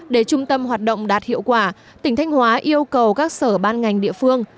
để trung tâm hoạt động đạt hiệu quả tỉnh thanh hóa yêu cầu các sở ban ngành địa phương